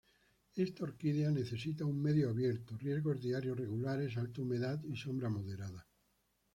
Esta orquídea necesita un medio abierto, riegos diarios regulares, alta humedad y sombra moderada.